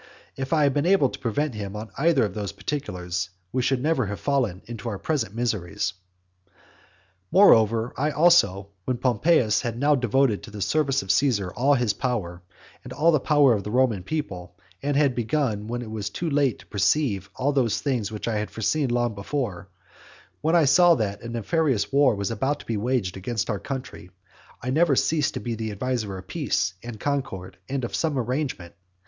And if I had been able to prevail on him in either of these particulars, we should never have fallen into our present miseries. Moreover, I also, when Pompeius had now devoted to the service of Caesar all his own power, and all the power of the Roman people, and had begun when it was too late to perceive all those things which I had foreseen long before, and when I saw that a nefarious war was about to be waged against our country, I never ceased to be the adviser of peace, and concord, and some arrangement.